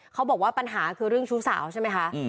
เขาบอกว่าปัญหาคือเรื่องชู้สาวใช่ไหมคะ